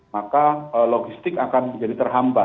maka logistik akan jadi terhampir